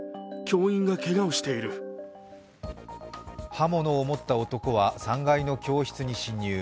刃物を持った男は３階の教室に侵入。